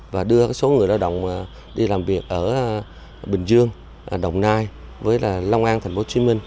và đưa số người lao động đi làm việc ở bình dương đồng nai với long an tp hcm